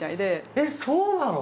えっそうなの？